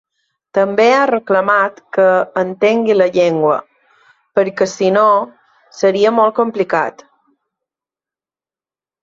També ha reclamat ‘que entengui la llengua, perquè, si no, seria molt complicat’.